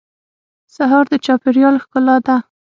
سهار د چاپېریال ښکلا ده.